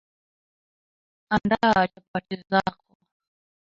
andaa chapati zako